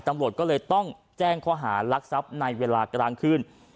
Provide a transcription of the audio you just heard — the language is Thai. ตำรวจเลยต้องแจ้งเขาหารักษับในเวลากลางขึ้น